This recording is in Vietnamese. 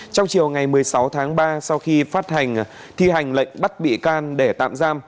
trong chiều ngày một mươi sáu tháng ba sau khi phát hành thi hành lệnh bắt bị can để tạm giam